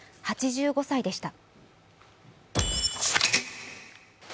８５歳でした。